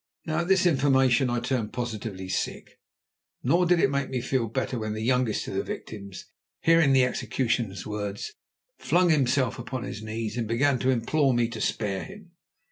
Now, at this information I turned positively sick. Nor did it make me feel better when the youngest of the victims, hearing the executioner's words, flung himself upon his knees, and began to implore me to spare him.